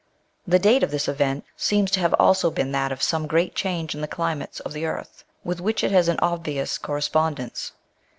The date of this event seems to have also been that of some great change in the climates of the earth, with which it has an obvious correspondence.